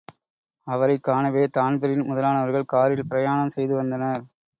அவரைக் காணவே தான்பிரீன் முதலானவர்கள் காரில் பிரயாணம் செய்து வந்தனர்.